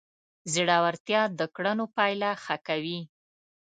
زړورتیا د کړنو پایله ښه کوي.